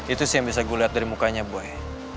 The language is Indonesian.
itu sih yang bisa gue liat dari mukanya boy